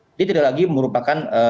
jadi tidak lagi merupakan